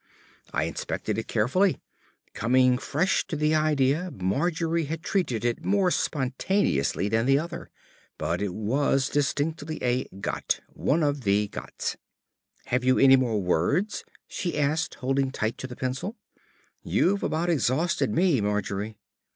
I inspected it carefully. Coming fresh to the idea Margery had treated it more spontaneously than the other. But it was distinctly a "got." One of the gots. "Have you any more words?" she asked, holding tight to the pencil. "You've about exhausted me, Margery."